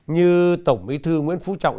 như tổng ý thư nguyễn phú trọng